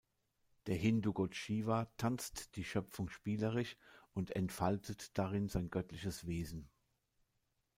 Der Hindu-Gott Shiva tanzt die Schöpfung spielerisch und entfaltet darin sein göttliches Wesen.